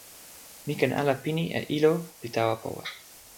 mi ken ala pini e ilo pi tawa powe.